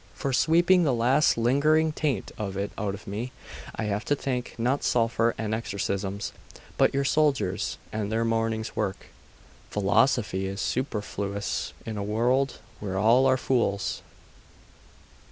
For sweeping the last lingering taint of it out of me, I have to thank, not sulphur and exorcisms, but your soldiers and their morning's work. Philosophy is superfluous in a world where all are fools.